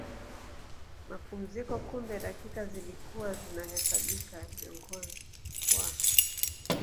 mapumziko Kumbe dakika zilikuwa zinahesabika viongozi wa